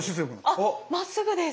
あっまっすぐです。